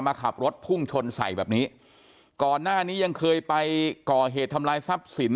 มาขับรถพุ่งชนใส่แบบนี้ก่อนหน้านี้ยังเคยไปก่อเหตุทำลายทรัพย์สิน